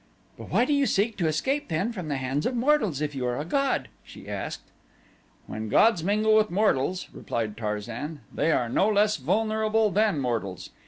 "But why do you seek to escape then from the hands of mortals if you are a god?" she asked. "When gods mingle with mortals," replied Tarzan, "they are no less vulnerable than mortals.